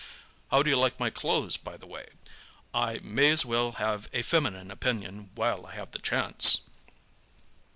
How do you like my clothes, by the way? I may as well have a feminine opinion while I have the chance."